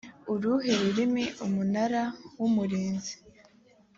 uruhe rurimi umunara w umurinzi